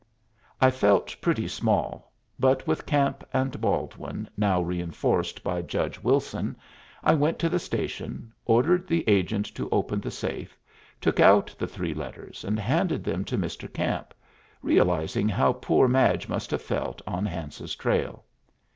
I felt pretty small, but with Camp and Baldwin, now reinforced by Judge Wilson, I went to the station, ordered the agent to open the safe, took out the three letters, and handed them to Mr. Camp, realizing how poor Madge must have felt on Hance's trail.